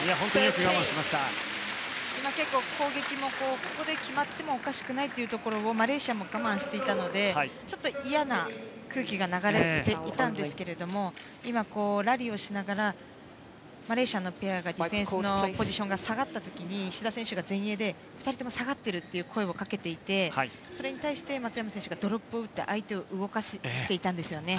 今、結構攻撃もここで決まってもおかしくないというところをマレーシアも我慢していたのでちょっと嫌な空気が流れていたんですけども今、ラリーをしながらマレーシアのペアがディフェンスのポジションが下がった時に志田選手が前衛で２人下がってという声がある中でそれに対して松山選手がドロップを打って相手を動かしていたんですよね。